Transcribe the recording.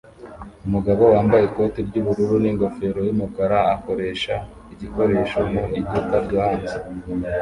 Umugabo wambaye ikoti ry'ubururu n'ingofero y'umukara akoresha igikoresho mu iduka ryo hanze